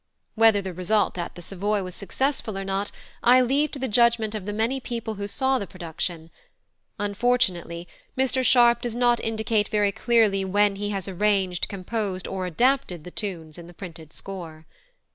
Whether the result at the Savoy was successful or not I leave to the judgment of the many people who saw the production. Unfortunately, Mr Sharp does not indicate very clearly when he has arranged, composed, or adapted the tunes in the printed score.